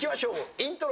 イントロ。